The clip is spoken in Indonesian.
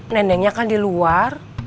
neneknya kan di luar